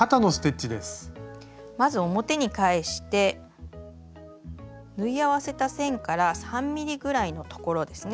まず表に返して縫い合わせた線から３ｍｍぐらいのところですね